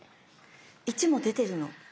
１も出てるの。